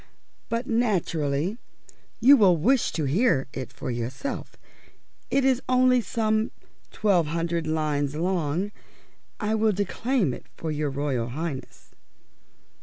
But naturally you will wish to hear it for yourself. It is only some twelve hundred lines long. I will declaim it to your Royal Highness."